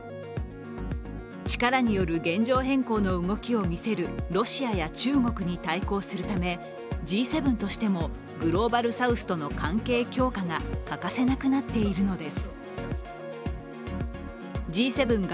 力による現状変更の動きを見せるロシアや中国に対抗するためＧ７としてもグローバルサウスとの関係強化が欠かせなくなっているのです。